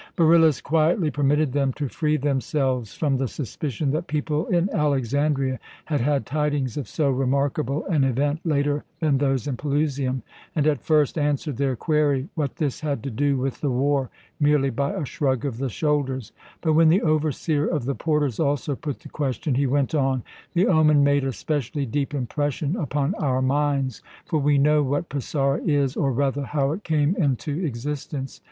Beryllus quietly permitted them to free themselves from the suspicion that people in Alexandria had had tidings of so remarkable an event later than those in Pelusium, and at first answered their query what this had to do with the war merely by a shrug of the shoulders; but when the overseer of the porters also put the question, he went on "The omen made a specially deep impression upon our minds, for we know what Pisaura is, or rather how it came into existence.